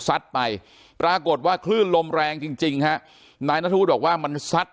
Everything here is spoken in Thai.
ซัดไปปรากฏว่าคลื่นลมแรงจริงนะนายนัทวุธบอกว่ามันซัด